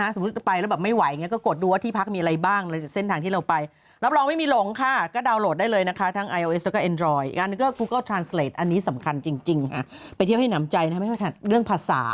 สมมุติไปแล้วแบบไม่ไหวอย่างนี้ก็กดดูว่าที่พักมีอะไรบ้าง